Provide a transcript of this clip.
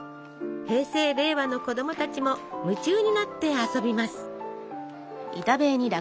平成・令和の子供たちも夢中になって遊びます！